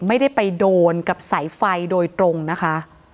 ไม่ได้ไปโดนกับสายไฟโดยตรงนะคะ